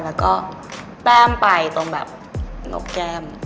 เราก็แป้มไปตรงแบบโมมแก้ม